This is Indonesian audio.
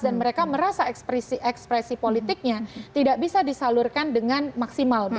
dan mereka merasa ekspresi ekspresi politiknya tidak bisa disalurkan dengan maksimal